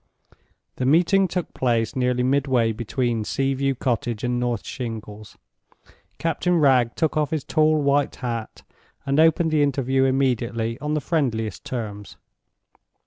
The meeting took place nearly midway between Sea view Cottage and North Shingles. Captain Wragge took off his tall white hat and opened the interview immediately on the friendliest terms.